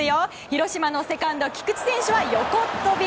広島のセカンド、菊池選手は横っ飛び。